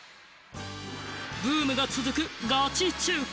ブームが続くガチ中華。